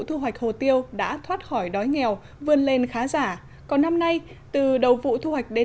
thu hoạch hồ tiêu đã thoát khỏi đói nghèo vươn lên khá giả còn năm nay từ đầu vụ thu hoạch đến